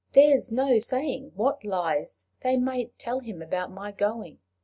There's no saying what lies they mayn't tell him about my going!